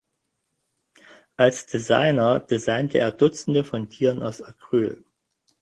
Als Designer designte er dutzende von Tieren aus Acryl.